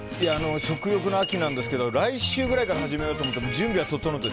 食欲の秋なんですけど来週くらいから始めようと思って準備は整えて。